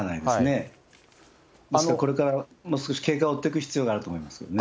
ですからこれからもう少し経過を追っていく必要があると思います